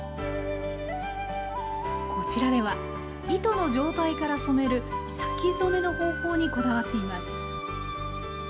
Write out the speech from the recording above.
こちらでは、糸の状態から染める先染めの方法にこだわっています。